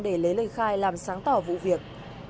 để lấy lời khai làm sáng tỏ vụ việc